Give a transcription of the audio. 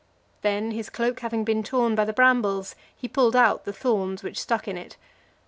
Then his cloak having been torn by the brambles, he pulled out the thorns which stuck in it.